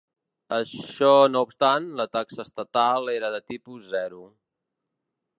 Això no obstant, la taxa estatal era de tipus zero.